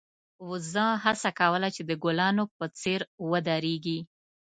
وزه هڅه کوله چې د ګلانو په څېر ودرېږي.